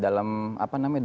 dalam apa namanya